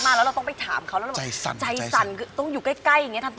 แต่เชื่อว่าใจสั่นต้องได้ได้ไหม